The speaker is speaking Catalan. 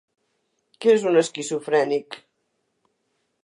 Que és un esquizofrènic?